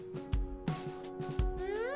うん！